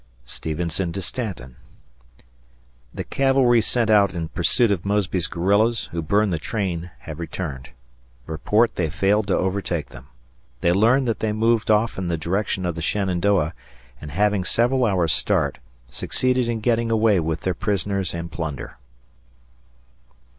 [Stevenson to Stanton] The cavalry sent out in pursuit of Mosby's guerrillas, who burned the train, have returned. Report they failed to overtake them. They learned that they moved off in the direction of the Shenandoah and having several hours' start, succeeded in getting away with their prisoners and plunder.